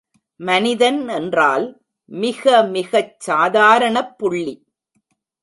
மனிதன் என்றால், மிக மிகச் சாதாரணப் புள்ளி.